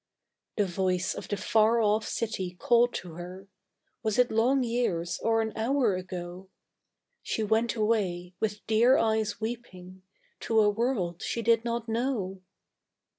The voice of the far off city called to her. Was it long years or an hour ago? She went away, with dear eyes weeping, To a world she did not know.